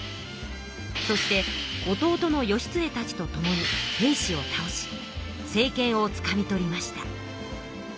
そして弟の義経たちとともに平氏を倒し政権をつかみ取りました。